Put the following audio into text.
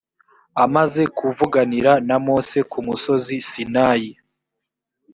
amaze kuvuganira na mose ku musozi sinayi